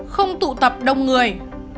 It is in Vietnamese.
không tụ tập đông người